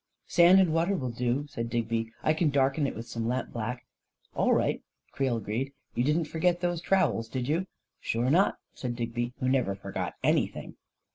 44 Sand and water will do," said Digby. " I can darken it with some lamp black." 44 All right," Creel agreed. 4< You didn't forget those trowels, did you ?" 44 Sure not," said Digby, who never forgot any thing.